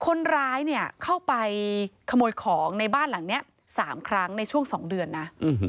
คนร้ายเนี่ยเข้าไปขโมยของในบ้านหลังนี้๓ครั้งในช่วง๒เดือนนะ